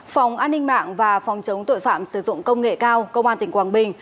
phòng an ninh mạng và phòng chống tội phạm sử dụng công nghệ cao công an tỉnh quảng bình